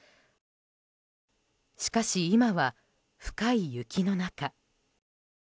しかし今は、深い雪の中。